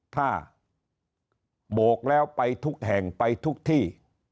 ถ้าโบกแล้วไปทุกแห่งไปทุกที่